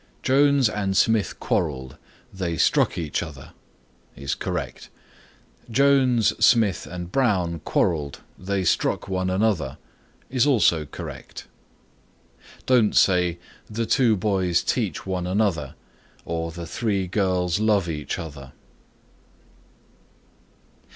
"Jones and Smith quarreled; they struck each other" is correct. "Jones, Smith and Brown quarreled; they struck one another" is also correct. Don't say, "The two boys teach one another" nor "The three girls love each other."